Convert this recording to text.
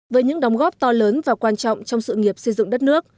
với những đóng góp to lớn và quan trọng trong sự nghiệp xây dựng đất nước